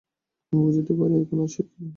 আমি বুঝিতে পারি, এখন আর সেদিন নাই।